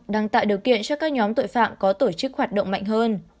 đang tạo điều kiện cho các nhóm tội phạm có tổ chức hoạt động mạnh hơn